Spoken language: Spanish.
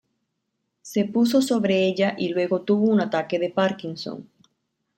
Se puso sobre ella y luego tuvo un ataque de Parkinson.